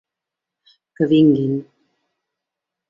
Que vinguin.